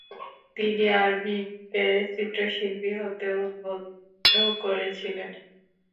তিনি আরভিংকে চিত্রশিল্পী হতে উদ্ধুদ্ধ করেছিলেন।